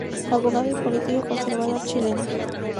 Abogado y político conservador chileno.